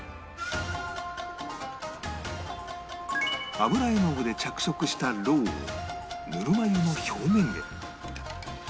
油絵の具で着色したロウをぬるま湯の表面へ